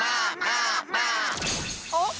あっ！